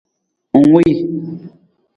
Ng wii.